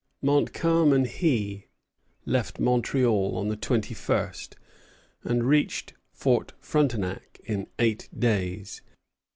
Montcalm and he left Montreal on the twenty first, and reached Fort Frontenac in eight days.